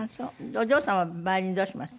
お嬢さんはヴァイオリンどうしました？